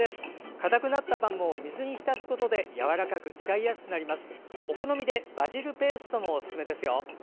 かたくなったパンも水に浸すことでやわらかく使いやすくなります。